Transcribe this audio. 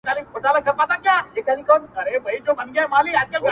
• كومه يوه خپله كړم ـ